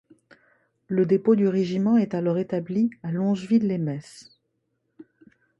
Le dépôt du régiment est alors établi à Longeville-les-Metz.